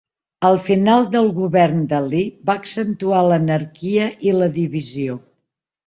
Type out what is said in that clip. El final del govern d'Ali va accentuar l'anarquia i la divisió.